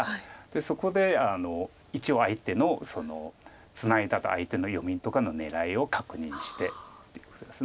そこで一応相手のツナいだ相手の読みとかの狙いを確認してっていうことです。